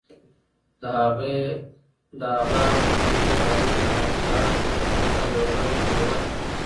د هغه "ګوګلي" بالونه د نړۍ د هر بیټر لپاره یوه لویه ننګونه ده.